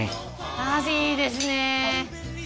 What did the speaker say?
ああいいですね。